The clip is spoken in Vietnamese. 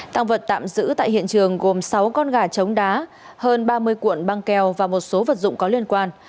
tăng vật tạm giữ tại hiện trường gồm sáu con gà trống đá hơn ba mươi cuộn băng keo và một số vật dụng có liên quan